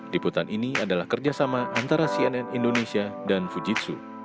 liputan ini adalah kerjasama antara cnn indonesia dan fujitsu